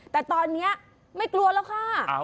แต่ตอนนี้ไม่กลัวแล้วค่ะ